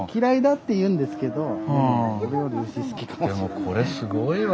でもこれすごいわ。